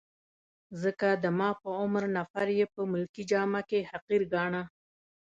ځکه د ما په عمر نفر يې په ملکي جامه کي حقیر ګاڼه.